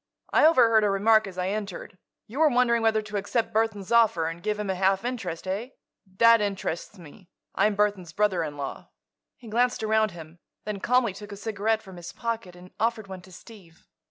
"I overheard a remark as I entered. You were wondering whether to accept Burthon's offer and give him a half interest. Eh? That interests me; I'm Burthon's brother in law." He glanced around him, then calmly took a cigarette from his pocket and offered one to Steve.